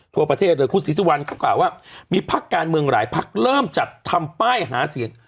ทั่วประเทศเลยคุณศรีสุวรรณเขากล่าวว่ามีพักการเมืองหลายพักเริ่มจัดทำป้ายหาเสียง